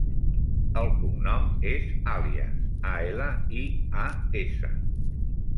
El cognom és Alias: a, ela, i, a, essa.